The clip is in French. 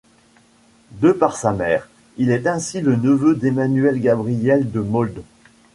De par sa mère, il est ainsi le neveu d'Emmanuel Gabriel de Maulde.